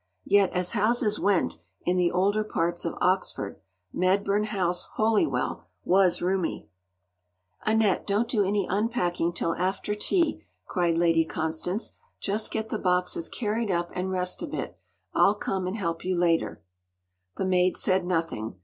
Yet as houses went, in the older parts of Oxford, Medburn House, Holywell, was roomy. “Annette, don’t do any unpacking till after tea!” cried Lady Constance. “Just get the boxes carried up, and rest a bit. I’ll come and help you later.” The maid said nothing.